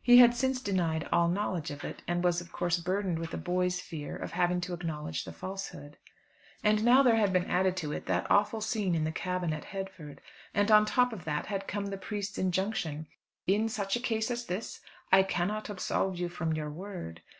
He had since denied all knowledge of it, and was of course burdened with a boy's fear of having to acknowledge the falsehood. And now there had been added to it that awful scene in the cabin at Headford, and on the top of that had come the priest's injunction. "In such a case as this I cannot absolve you from your word."